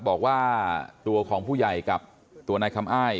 บอกว่าตัวของผู้ใหญ่กับตัวนายคำอ้าย